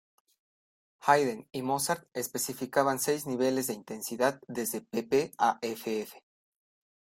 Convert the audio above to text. Haydn y Mozart especificaban seis niveles de intensidad desde "pp" a "ff".